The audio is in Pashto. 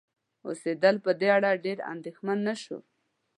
اوسیدل په دې اړه ډېر اندیښمن نشو